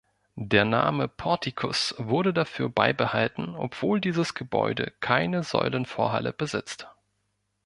Der Name Portikus wurde dafür beibehalten, obwohl dieses Gebäude keine Säulenvorhalle besitzt.